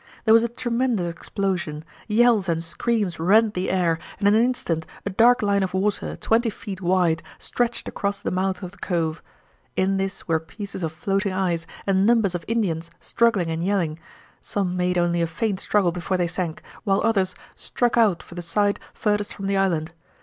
There was a tremendous explosion. Yells and screams rent the air, and in an instant a dark line of water, twenty feet wide, stretched across the mouth of the cove. In this were pieces of floating ice and numbers of Indians struggling and yelling. Some made only a faint struggle before they sank, while others struck out for the side furthest from the island.